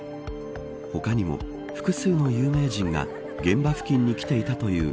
他にも、複数の有名人が現場付近に来ていたという